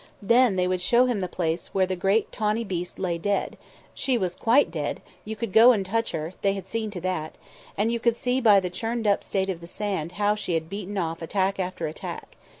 Then they would show him the place where the great tawny beast lay dead she was quite dead; you could go and touch her, they had seen to that and you could see by the churned up state of the sand how she had beaten off attack after attack.